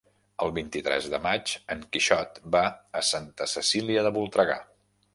El vint-i-tres de maig en Quixot va a Santa Cecília de Voltregà.